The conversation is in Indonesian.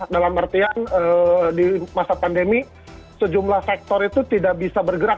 dalam artian di masa pandemi sejumlah sektor itu tidak bisa bergerak